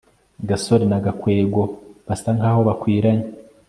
gasore na gakwego basa nkaho bakwiranye